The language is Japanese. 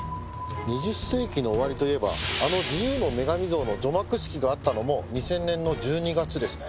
２０世紀の終わりといえばあの自由の女神像の除幕式があったのも２０００年の１２月ですね。